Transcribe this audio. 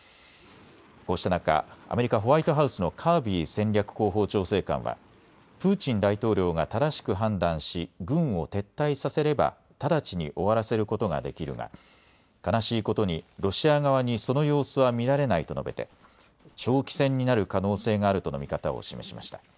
こうした中、アメリカ・ホワイトハウスのカービー戦略広報調整官はプーチン大統領が正しく判断し軍を撤退させれば直ちに終わらせることができるが悲しいことにロシア側にその様子は見られないと述べて長期戦になる可能性があるとの見方を示しました。